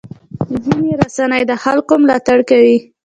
ځینې رسنۍ د خلکو ملاتړ کوي.